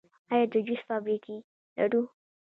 آیا د جوس فابریکې لرو؟